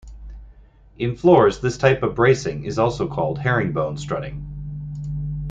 In floors this type of bracing is also called herringbone strutting.